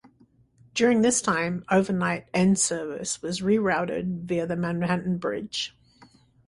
During this time, overnight N service was rerouted via the Manhattan Bridge.